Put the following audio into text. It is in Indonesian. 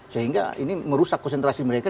sehingga ini merusak konsentrasi mereka